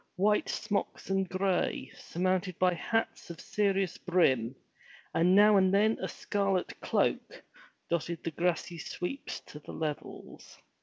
White smocks and gray, surmounted by hats of serious brim, and now and then a scarlet cloak, dotted the grassy sweeps to the levels.